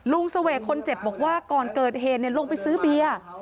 เสวกคนเจ็บบอกว่าก่อนเกิดเหตุลงไปซื้อเบียร์